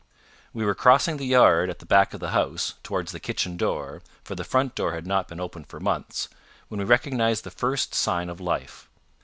We were crossing the yard at the back of the house, towards the kitchen door, for the front door had not been opened for months, when we recognized the first sign of life.